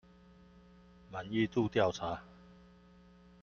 滿意度調查